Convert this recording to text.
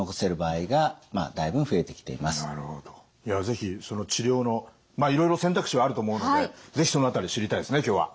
是非その治療のいろいろ選択肢はあると思うので是非その辺り知りたいですね今日は。